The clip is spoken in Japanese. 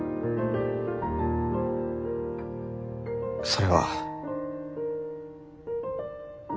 それは。